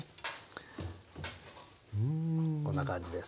こんな感じです。